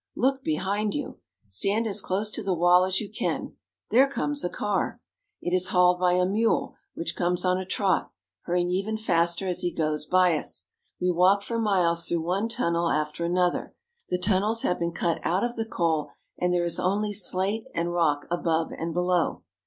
Look behind you ! Stand as close to the wall as you can. It is hauled by a mule, which comes on a trot, hurrying even faster as he goes by us. We walk for miles through one tunnel after another. The tun nels have been cut out of the coal, and there is only slate and rock above and below.